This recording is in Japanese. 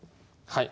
はい。